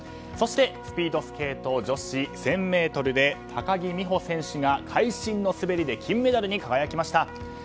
そして、スピードスケート女子１０００ｍで高木美帆選手が会心の滑りで金メダルに輝きました。